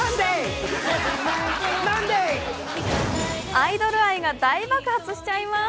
アイドル愛が大爆発しちゃいます！